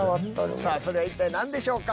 さぁそれは一体何でしょうか？